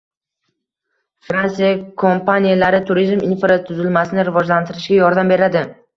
Fransiya kompaniyalari turizm infratuzilmasini rivojlantirishga yordam beradi